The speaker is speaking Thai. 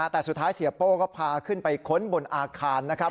แต่สุดท้ายเสียโป้ก็พาขึ้นไปค้นบนอาคารนะครับ